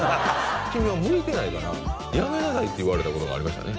「君は向いてないからやめなさい」って言われたことがありましたね